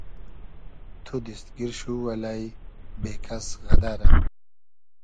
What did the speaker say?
تو دیست گیر شو الݷ بې کئس غئدئرۂ